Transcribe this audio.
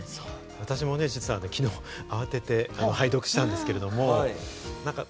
私も実は昨日、慌てて拝読したんですけど。